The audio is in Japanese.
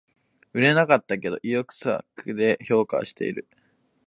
売れなかったけど意欲作で評価はしてる